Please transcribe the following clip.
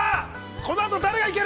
このあと、誰が行ける。